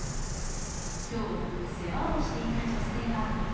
きょう、世話をしていた女性は。